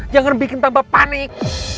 jangan bikin tanpa panik